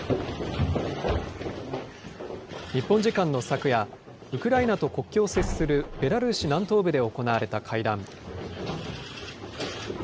日本時間の昨夜、ウクライナと国境を接するベラルーシ南東部で行われた会談。